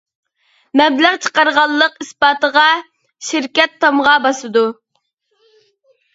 مەبلەغ چىقارغانلىق ئىسپاتىغا شىركەت تامغا باسىدۇ.